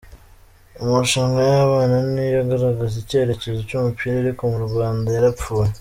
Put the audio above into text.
Amarushanwa y’abana niyo agaragaza icyerekezo cy’umupira ariko mu Rwanda yarapfuye .